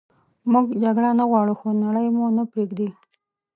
موږ جګړه نه غواړو خو نړئ مو نه پریږدي